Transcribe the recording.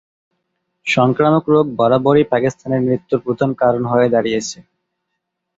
সংক্রামক রোগ বরাবরই পাকিস্তানে মৃত্যুর প্রধান কারণ হয়ে দাঁড়িয়েছে।